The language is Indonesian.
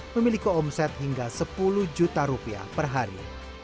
memiliki omset hingga rp sepuluh juta per hari